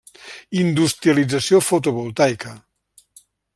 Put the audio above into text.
Industrialització fotovoltaica.